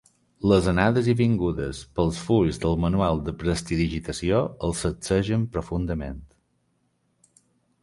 Les anades i vingudes pels fulls del manual de prestidigitació el sacsegen profundament.